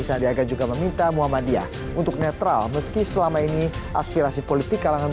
sandiaga juga meminta muhammadiyah untuk netral meski selama ini aspirasi politik kalangan